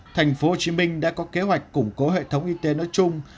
tp hcm đã có kế hoạch củng cố hệ thống y tế nói chung